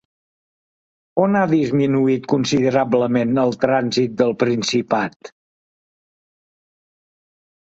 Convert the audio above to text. On ha disminuït considerablement el trànsit del Principat?